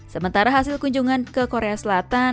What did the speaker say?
sementara hasil kunjungan ke korea selatan